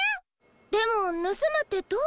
でもぬすむってどうやって？